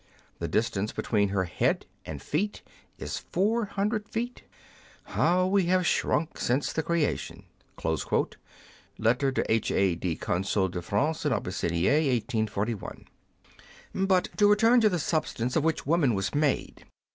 The distance between her head and feet is 400 feet. How we have shrunk since the creation !"— Lettre de H, A, Z>., Consul de France en Abyssinie^ 1 84 1. But to return to the substance of which woman was made.